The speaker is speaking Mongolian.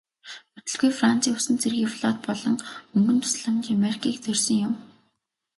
Удалгүй францын усан цэргийн флот болон мөнгөн тусламж америкийг зорьсон юм.